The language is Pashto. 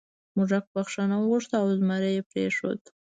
موږک بخښنه وغوښته او زمري پریښود.